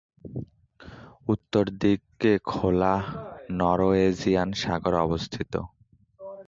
উত্তর দিকে খোলা নরওয়েজিয়ান সাগর অবস্থিত।